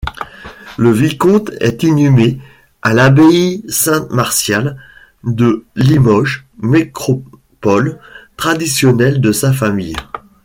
Le vicomte est inhumé à l’abbaye Saint-Martial de Limoges, nécropole traditionnelle de sa famille.